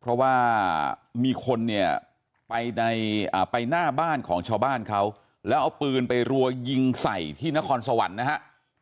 เพราะว่ามีคนเนี่ยไปหน้าบ้านของชาวบ้านเขาแล้วเอาปืนไปรัวยิงใส่ที่นครสวรรค์นะฮะ